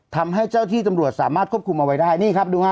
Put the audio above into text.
ทำให้เจ้าที่ตำรวจสามารถควบคุมเอาไว้ได้นี่ครับดูฮะ